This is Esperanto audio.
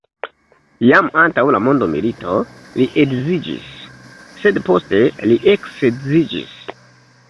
Jam antaŭ la mondomilito li edziĝis, sed poste li eksedziĝis.